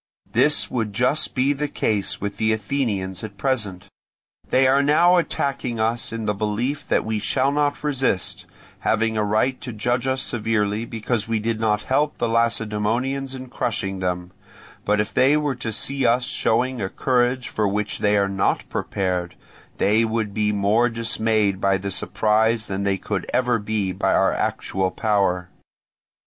This would just be the case with the Athenians at present. They are now attacking us in the belief that we shall not resist, having a right to judge us severely because we did not help the Lacedaemonians in crushing them; but if they were to see us showing a courage for which they are not prepared, they would be more dismayed by the surprise than they could ever be by our actual power.